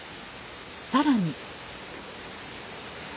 更に。